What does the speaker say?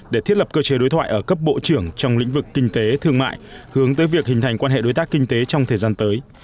để thiết lập cơ chế đối thoại ở cấp bộ trưởng trong lĩnh vực kinh tế thương mại hướng tới việc hình thành quan hệ đối tác kinh tế trong thời gian tới